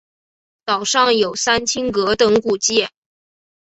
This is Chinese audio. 岛上有三清阁等古迹。